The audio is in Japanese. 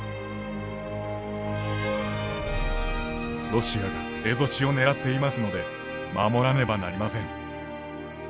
「ロシアが蝦夷地を狙っていますので守らねばなりません」。